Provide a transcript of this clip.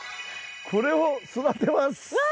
これを育てます。